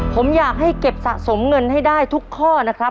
ผมอยากให้เก็บสะสมเงินให้ได้ทุกข้อนะครับ